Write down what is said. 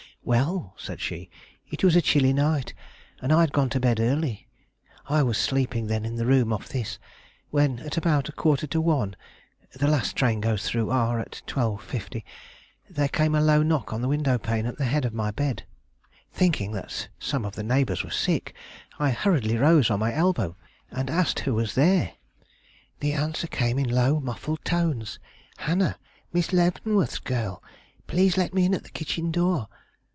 "Well," said she, "it was a chilly night, and I had gone to bed early (I was sleeping then in the room off this) when, at about a quarter to one the last train goes through R at 12.50 there came a low knock on the window pane at the head of my bed. Thinking that some of the neighbors were sick, I hurriedly rose on my elbow and asked who was there. The answer came in low, muffled tones, 'Hannah, Miss Leavenworth's girl! Please let me in at the kitchen door.